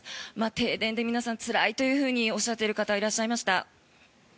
停電で皆さん、つらいとおっしゃっている方がいらっしゃいました。